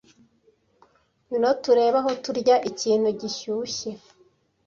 ngwino turebe aho turya ikintu gishyushye